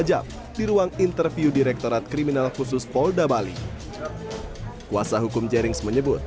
jam di ruang interview direktorat kriminal khusus polda bali kuasa hukum jerings menyebut